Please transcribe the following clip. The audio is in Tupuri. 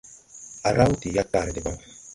A raw de yaggare debaŋ.